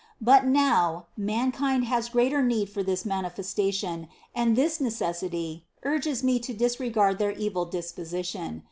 But now, mankind has greater need for this manifestation, and this neces sity urges Me to disregard their evil disposition.